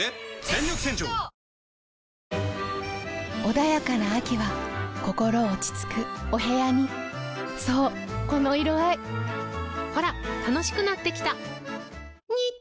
穏やかな秋は心落ち着くお部屋にそうこの色合いほら楽しくなってきた！